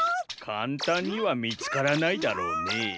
かんたんにはみつからないだろうねぇ。